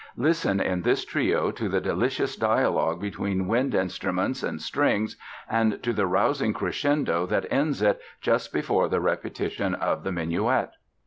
Listen in this trio to the delicious dialogue between wind instruments and strings and to the rousing crescendo that ends it just before the repetition of the minuet.